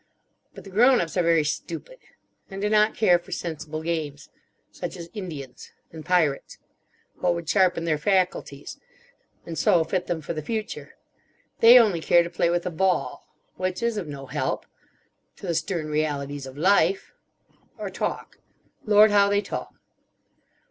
But the grown ups are very stupid. And do not care for sensible games. Such as Indians. And Pirates. What would sharpen their faculties. And so fit them for the future. They only care to play with a ball. Which is of no help. To the stern realities of life. Or talk. Lord, how they talk!